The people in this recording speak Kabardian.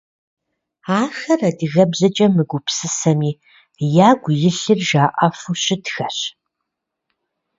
Ахэр адыгэбзэкӏэ мыгупсысэми, ягу илъыр жаӏэфу щытхэщ.